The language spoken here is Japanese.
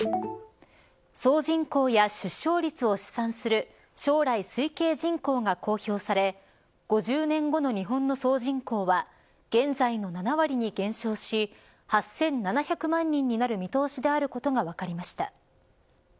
総人口や出生率を試算する将来推計人口が公表され５０年後の日本の総人口は現在の７割に減少し８７００万人になる見通しであることが分かりました。